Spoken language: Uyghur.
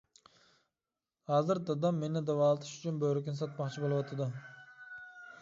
ھازىر دادام مېنى داۋالىتىش ئۈچۈن بۆرىكىنى ساتماقچى بولۇۋاتىدۇ.